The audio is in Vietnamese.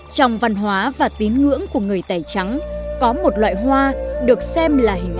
trong văn hóa và tín ngưỡng của người tây trắng có một loại hoa được xem là hình ảnh